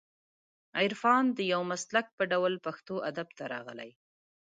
عرفان د یو مسلک په ډول پښتو ادب ته راغلی